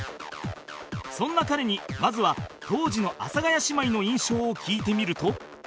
そんな彼にまずは当時の阿佐ヶ谷姉妹の印象を聞いてみると